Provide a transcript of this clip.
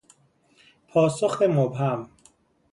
پاسخ مبهم